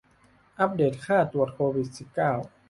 อัปเดตค่าตรวจโควิด สิบเก้า